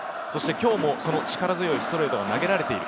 今日も力強いストレートが投げられている。